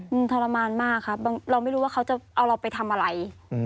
มันทรมานมากครับเราไม่รู้ว่าเขาจะเอาเราไปทำอะไร